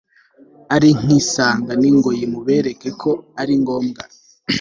ari nkisanga ningoyi mubereke ko ari ngombwa